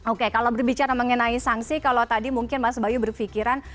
oke kalau berbicara mengenai sanksi kalau tadi mungkin mas bayu berpikiran